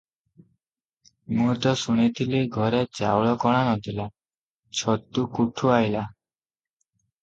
ମୁଁ ତ ଶୁଣିଥିଲି ଘରେ ଚାଉଳ କଣା ନ ଥିଲା- ଛତୁ କୁଠୁ ଅଇଲା?